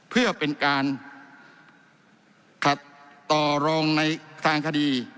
เพื่อเป็นการขัดต่อรองในทางคดี